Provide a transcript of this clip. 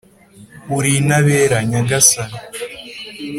uri intabera, nyagasani!